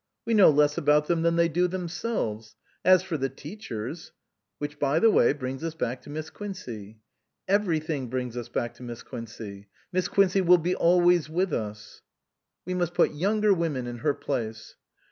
We know less about them than they do themselves. As for the teachers "" Which by the way brings us back to Miss Quincey." " Everything brings us back to Miss Quincey. Miss Quincey will be always with us." " We must put younger women in her place."